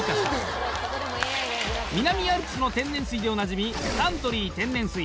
マジで⁉南アルプスの天然水でおなじみサントリー天然水。